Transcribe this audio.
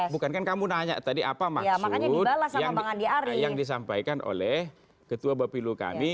bukan kan kamu nanya tadi apa maksud yang disampaikan oleh ketua bapilu kami